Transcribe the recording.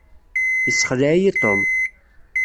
Yessexleɛ-iyi Tom.